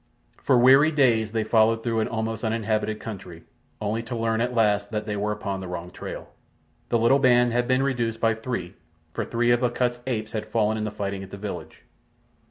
For weary days they followed through an almost uninhabited country, only to learn at last that they were upon the wrong trail. The little band had been reduced by three, for three of Akut's apes had fallen in the fighting at the village.